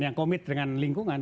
yang komit dengan lingkungan